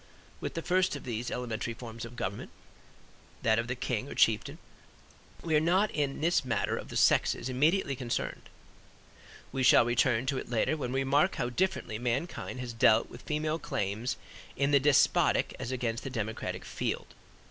With the first of these elementary forms of government, that of the king or chieftain, we are not in this matter of the sexes immediately concerned. We shall return to it later when we remark how differently mankind has dealt with female claims in the despotic as against the democratic field.